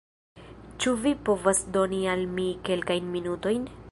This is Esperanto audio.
Ĉu vi povas doni al mi kelkajn minutojn?